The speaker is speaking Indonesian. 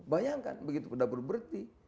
bayangkan begitu dapur berhenti